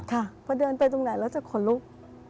พอเดินไปตรงไหนแล้วจะขนลุก